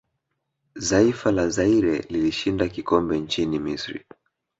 zaifa la Zaire lilishinda kikombe nchini misri